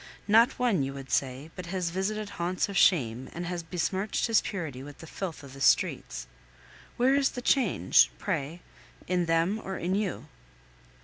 Not one, you would say, but has visited haunts of shame, and has besmirched his purity with the filth of the streets. Where is the change, pray in them or in you?